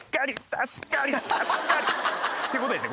確かに確かに。ってことですね。